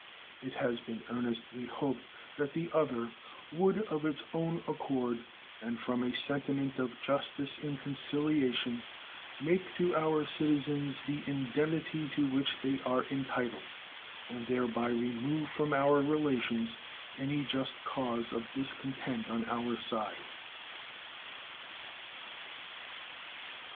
It has been earnestly hoped that the other would of its own accord, and from a sentiment of justice and conciliation, make to our citizens the indemnity to which they are entitled, and thereby remove from our relations any just cause of discontent on our side.